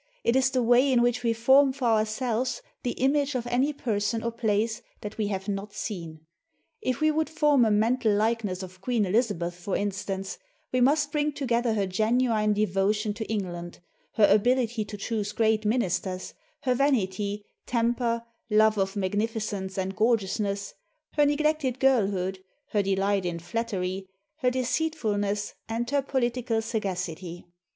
It is the way in which we form for ourselves the image of any person or place that we have not seen. If we would form a mental likeness of Queen Elizabeth, for instance, we must bring together her genuine devotion to England, her ability to choose great ministers, her vanity, temper, love of magnificence and gorgeousness, her neglected girlhood, her delight in flattery, herdeceitfulness, and her political sagacity.